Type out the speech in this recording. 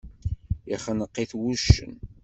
Ixneq-it wuccen.